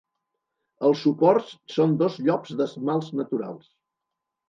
Els suports són dos llops d'esmalts naturals.